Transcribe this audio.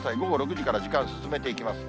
午後６時から時間進めていきます。